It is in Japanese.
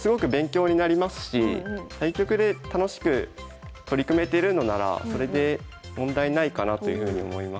でも対局で楽しく取り組めてるのならそれで問題ないかなというふうに思います。